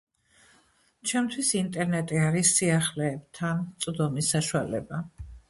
ჩემთვის ინტერნეტი არის სიახლეებთან წვდომის სასუალება.